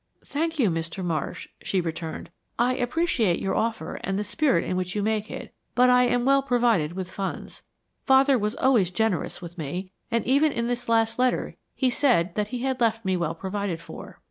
"Thank you, Mr. Marsh," she returned. "I appreciate both your offer and the spirit in which you make it, but I am well provided with funds. Father was always generous with me, and even in his last letter he said that he had left me well provided for."